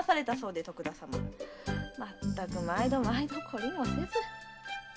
まったく毎度毎度凝りもせず。